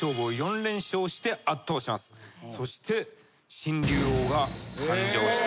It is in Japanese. そして。